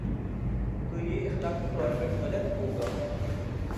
تو یہ اخلاقی طور پر غلط ہو گا۔